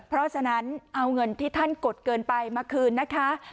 เพราะฉะนั้นเอาเงินที่ท่านกดเกินไปมาคืนนะคะ